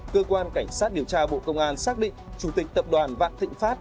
cơ quan cảnh sát điều tra bộ công an xác định chủ tịch tập đoàn vạn thịnh pháp